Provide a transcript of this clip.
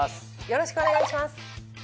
よろしくお願いします。